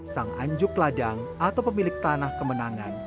sang anjuk ladang atau pemilik tanah kemenangan